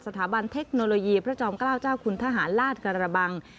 เทคโนโลยีพระจอมเกล้าเจ้าคุณทหารลาดกระบัง